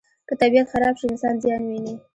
که طبیعت خراب شي، انسان زیان ویني.